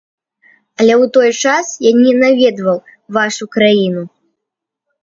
Але ў той час я не наведваў вашу краіну.